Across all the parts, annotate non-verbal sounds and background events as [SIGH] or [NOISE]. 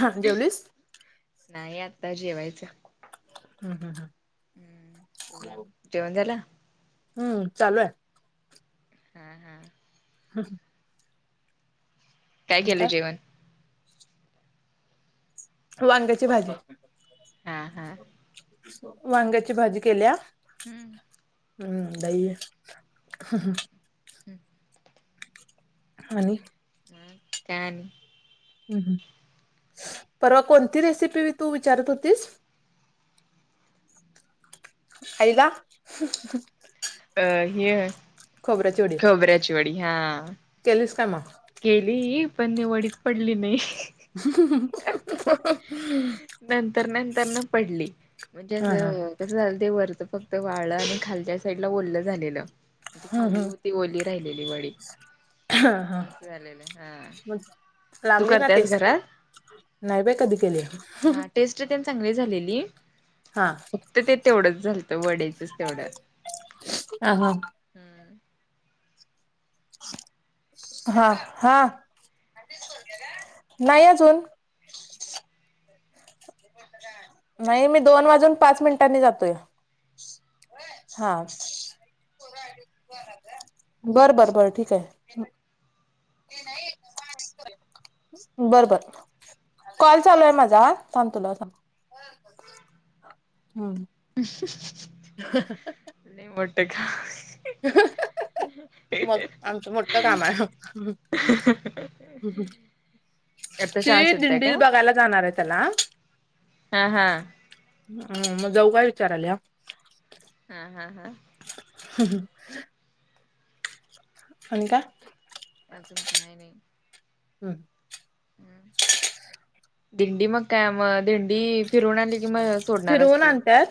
हा जेवलीस? नाही आत्ता जेवायचं. हम्म हम्म. हम्म तुझं जेवण झालं? हम्म चालू आहे हम्म हम्म. हम. काय केलं जेवण? वांग्याची भाजी हा हा वांग्याची भाजी केल्या हम्म हम्म भरून हं हं हम्म आणि. म काय आणि हम्म परवा कोणती रेसिपी तू विचारत होतीस? [UNINTELLIGIBLE] अ हे ह खोबऱ्याची वडी केलीस का मग? केली पण वडीच पडली नाही [UNINTELLIGIBLE] नंतर नंतर न पडले म्हणजे हा हा असं कसं झालं ते वरच फक्त वाळलं आणि खालच्या साईडला ओल्लं झालेलं ती हम्म खाल्ली हम्म होती ओली राहिलेली वडी हा हा असं झालेलं हा मग तू लागली ना करतेस टेस्ट? घरात नाही बाई कधी केली हा टेस्ट तेन चांगली झालेली फक्त ते तेवढंच झालतं वडीचच तेवढं हा हा. हम्म. हा हा नाही अजून. नाही मी दोन वाजून पाच मिनिटांनी जातोय व्हय हा पोरं आलीत की जावूया ग बर बर बर ठीक आहे ये नाही पोरं आली की जावूया बरं बर कॉल चालू आहे माझा थांब तुला सांग हम्म. [UNINTELLIGIBLE] हा हा हा [UNINTELLIGIBLE] ह ह ह. ह ह मग आमचं मोठ काम आहे. आता ती शाळा सुटताय काय दिंडी बघायला जाणार आहे त्याला हा हा हम्म मग जाऊ काय विचारायल्या? हा हा हा हम्म. होय काय? अजून काही नाही हम्म. दिंडी मग काय मग दिंडी.. फिरून आले कि मग सोडणार फिरवून असतील आणत्यात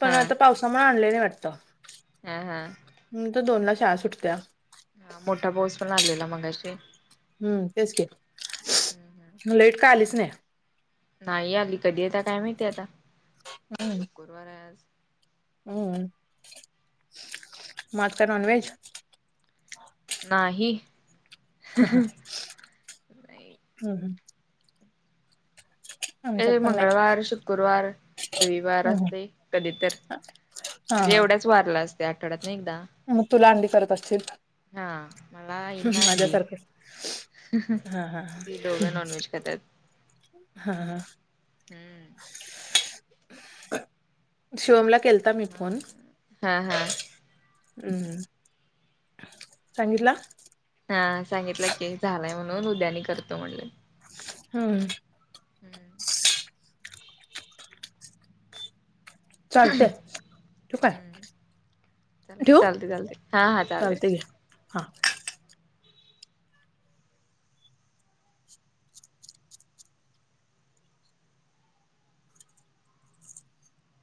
पण हा. आता पावसामुळे आणले हा, हा. आता दोनला शाळा सुटत्या. हा, मोठा पाऊस पण आलेला मगाशी. हम्म तेच की, लाईट काय आलीच नाही. नाही आली, कधी येत्या काय माहिती आता. शुक्कुरवार आहे आज. हम्, हम मग आज काय नाॅनव्हेज? नाही. हा हम्, हम्. [UNINTELLIGIBLE] हे नाही मंगळवर, शुक्कुरवार. रविवार असतय, कधी तर हा म्हणजे हा एवढ्याच वारला असतय, आठवड्यातन एकदा. मग तुला अंडी करत असशील, हा मला हीना हम्म अंडी माझ्यासारख. हा, हा, ती दोघं नॉनव्हेज खातात हा, हम्म. हम्म. शिवमला केल हा, हा. हम्म, सांगितला? हा सांगितलं की, झालाय म्हणून उद्या आणि करतो म्हणून. हम्म. हम्म. पीप, पीप चालतय ठेऊ काय? चालतय, ठेवू? चालतय हा चालतंय. हा.